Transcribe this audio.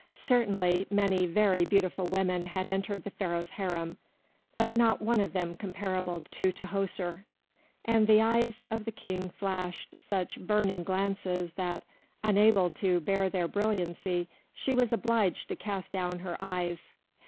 Certainly many very beautiful women had entered the Pharaoh's harem, but not one of them comparable to Tahoser; and the eyes of the King flashed such burning glances that, unable to bear their brilliancy, she was obliged to cast down her eyes.